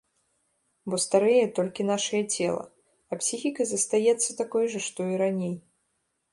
Бо старэе толькі нашае цела, а псіхіка наша застаецца такой жа, што і раней.